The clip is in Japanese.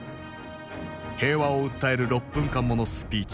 平和を訴える６分間ものスピーチ。